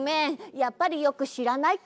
やっぱりよくしらないかも。